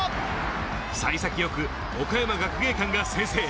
幸先よく岡山学芸館が先制。